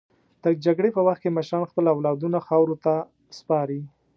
د جګړې په وخت کې مشران خپل اولادونه خاورو ته سپاري.